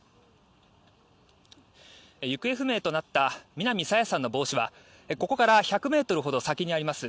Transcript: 行方不明となった南朝芽さんの帽子はここから１００ｍほど先にあります